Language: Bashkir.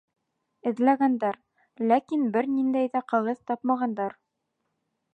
Эҙләгәндәр, ләкин бер ниндәй ҙә ҡағыҙ тапмағандар.